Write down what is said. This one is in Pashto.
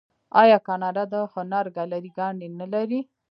آیا کاناډا د هنر ګالري ګانې نلري؟